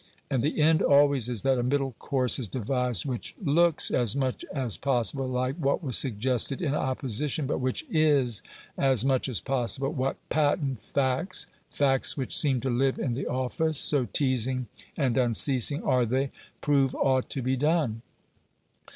And the end always is that a middle course is devised which LOOKS as much as possible like what was suggested in opposition, but which IS as much as possible what patent facts facts which seem to live in the office, so teasing and unceasing are they prove ought to be done.